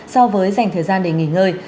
so với dành thời gian để nghỉ ngơi